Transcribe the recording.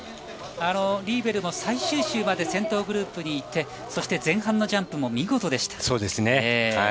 リーベルも最終周まで先頭グループにいてそして前半のジャンプも見事でした。